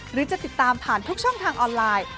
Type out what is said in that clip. หรือจะติดตามผ่านทุกช่องทางออนไลน์